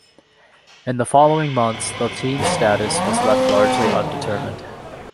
In the following months, the team's status was left largely undetermined.